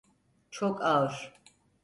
Çok ağır.